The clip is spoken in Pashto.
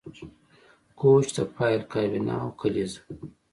کوچ د فایل کابینه او کلیزه